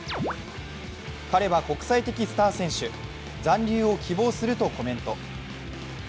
彼は国際的スター選手、残留を希望するとコメント。